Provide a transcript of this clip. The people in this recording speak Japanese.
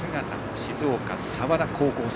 静岡は澤田、高校生。